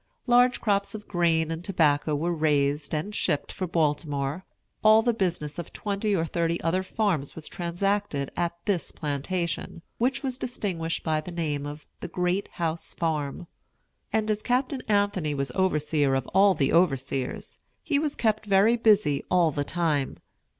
Large crops of grain and tobacco were raised and shipped for Baltimore. All the business of twenty or thirty other farms was transacted at this plantation, which was distinguished by the name of "The Great House Farm"; and as Captain Anthony was overseer of all the overseers, he was kept very busy all the time.